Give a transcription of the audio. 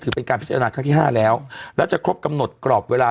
เป็นการพิจารณาครั้งที่ห้าแล้วแล้วจะครบกำหนดกรอบเวลา